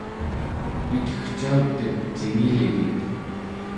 pitegcautet cingilgit